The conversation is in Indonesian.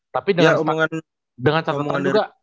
tapi dengan catetan juga